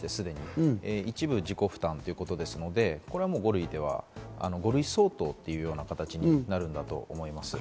一部自己負担ということですので、５類では５類相当という形になるんだと思います。